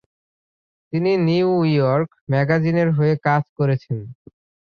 তিনি New York ম্যাগাজিনের হয়ে কাজ করেছেন।